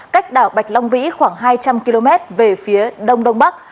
cách đảo bạch long vĩ khoảng hai trăm linh km về phía đông đông bắc